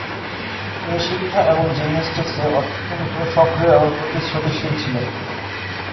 তিনি শিক্ষা এবং জিমন্যাস্টিকসে অত্যন্ত সক্রিয় ও প্রতিশ্রুতিশীল ছিলেন।